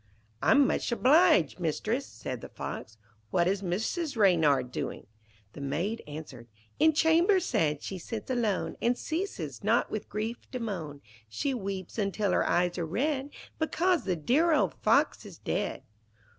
'I'm much obliged, Mistress,' said the Fox. 'What is Mrs. Reynard doing?' The Maid answered 'In chamber sad she sits alone, And ceases not with grief to moan. She weeps until her eyes are red, Because the dear old Fox is dead.'